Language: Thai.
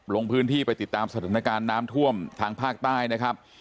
ลงพื้นที่ไปติดตามสถานการณ์น้ำท่วมทางภาคใต้นะครับ